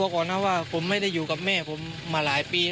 คือแม่งด้าครับ